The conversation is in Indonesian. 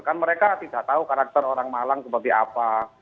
kan mereka tidak tahu karakter orang malang seperti apa